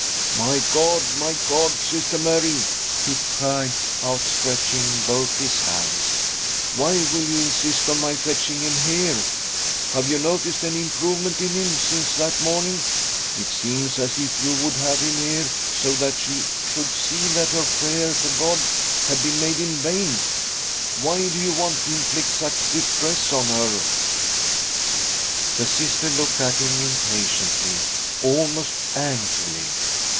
" My God, my God, Sister Mary," he cried, out stretching both his. hands, " why will you insist on my fetching him here? Have you noticed any •„.•.■; 84 THY SOUL SHALL, BEAR WITNESS ! improvement in him since that morning ? It seems as if you would have him here, so that she should see that her prayer to God had been made in vain. Why do you want to inflict such distress on her ?" The Sister looked at him impatiently, almost angrily.